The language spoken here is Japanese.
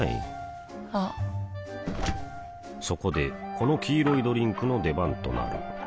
あっそこでこの黄色いドリンクの出番となる